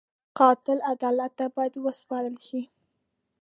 قاتل عدالت ته باید وسپارل شي